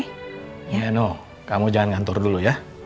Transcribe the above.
iya no kamu jangan ngantor dulu ya